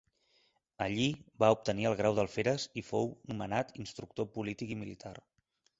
Allí va obtenir el grau d'alferes i fou nomenat instructor polític i militar.